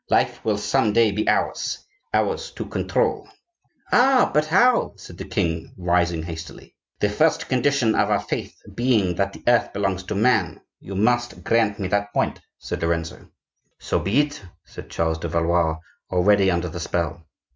Life will some day be ours,—ours to control." "Ah! but how?" cried the king, rising hastily. "The first condition of our faith being that the earth belongs to man, you must grant me that point," said Lorenzo. "So be it!" said Charles de Valois, already under the spell.